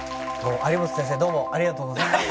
有元先生どうもありがとうございました！